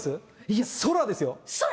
いや、空ですよ。